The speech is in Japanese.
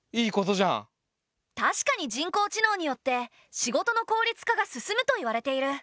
確かに人工知能によって仕事の効率化が進むと言われている。